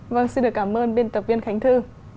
vâng xin được cảm ơn biên tập viên khánh thư